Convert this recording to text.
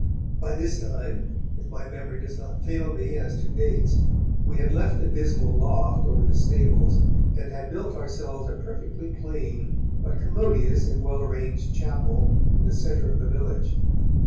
By this time, if my memory does not fail me as to dates, we had left the dismal loft over the stables, and had built ourselves a perfectly plain, but commodious and well arranged chapel in the centre of the village.